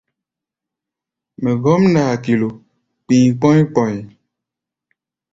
Mɛ gɔ́m nɛ hakilo, kpi̧i̧ kpɔ̧́í̧ kpɔ̧í̧.